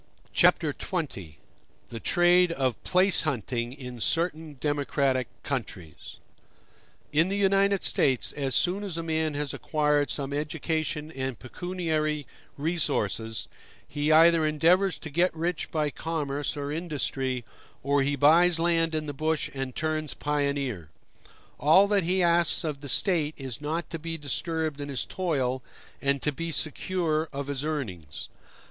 Chapter XX: The Trade Of Place Hunting In Certain Democratic Countries In the United States as soon as a man has acquired some education and pecuniary resources, he either endeavors to get rich by commerce or industry, or he buys land in the bush and turns pioneer. All that he asks of the State is not to be disturbed in his toil, and to be secure of his earnings.